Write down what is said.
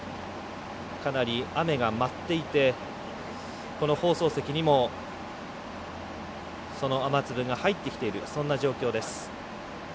かなり雨が舞っていて放送席にもその雨粒が入ってきている、そんな状況です。